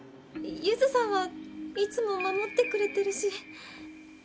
ユズさんはいつも守ってくれてるし。